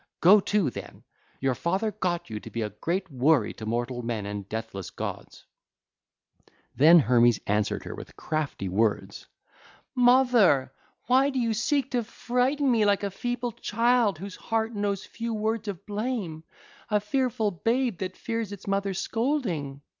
Go to, then; your father got you to be a great worry to mortal men and deathless gods.' (ll. 162 181) Then Hermes answered her with crafty words: 'Mother, why do you seek to frighten me like a feeble child whose heart knows few words of blame, a fearful babe that fears its mother's scolding?